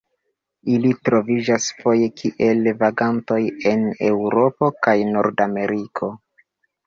Ili troviĝas foje kiel vagantoj en Eŭropo kaj Nordameriko.